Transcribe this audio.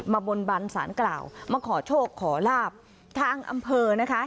บนบันสารกล่าวมาขอโชคขอลาบทางอำเภอนะคะ